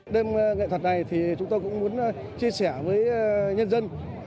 đêm nghệ thuật này thì chúng tôi cũng muốn chia sẻ với nhân dân